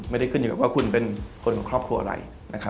ไม่ได้ขึ้นอยู่กับว่าคุณเป็นคนของครอบครัวอะไร